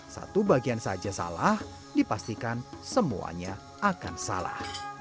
satu bagian saja salah dipastikan semuanya akan salah